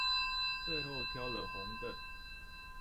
最後挑了紅的